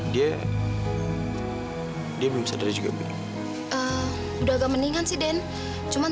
jadi sekarang udah gak begitu banyak